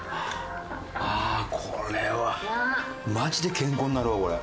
ああこれはマジで健康になるわこれ。